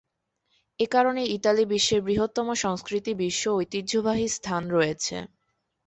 এ কারণে, ইতালি বিশ্বের বৃহত্তম "সংস্কৃতি" বিশ্ব ঐতিহ্যবাহী স্থান রয়েছে।